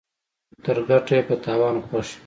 تر ګټه ئې په تاوان خوښ يو.